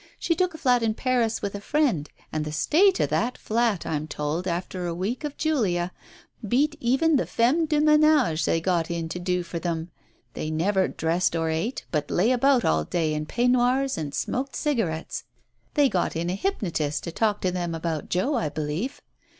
She took a flat in Paris with a friend, and the state of that flat, I'm told, after a week of Julia, beat even the femme de menage they got in to do for them ! They never dressed or ate, but lay about all day in peignoirs and smoked cigarettes. They got in a hypnotist to talk to them about Joe, I believe.